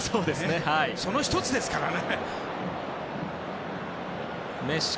その１つですからね。